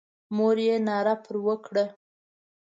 مور یې ناره پر وکړه.